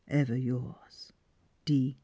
Ever yours, D.O."